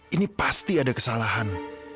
ini pasti ada kesalahan